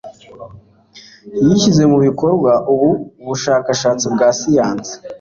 Yishyize mu bikorwa ubu bushakashatsi bwa siyansi.